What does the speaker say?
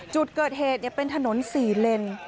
จุดเกิดเหตุเนี่ยเป็นถนนสี่เลน